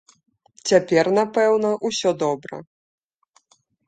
Цяпер, напэўна, усё добра!